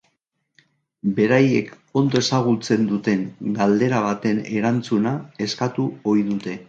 Beraiek ondo ezagutzen duten galdera baten erantzuna eskatu ohi dute.